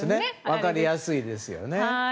分かりやすいですよね。